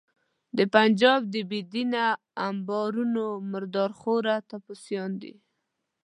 د پنجاب د بې دینه امبارونو مردار خواره ټپوسان دي.